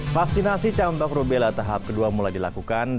vaksinasi campak rubella tahap kedua mulai dilakukan